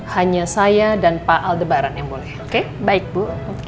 hanya saya dan pak al debaran yang boleh oke baik bu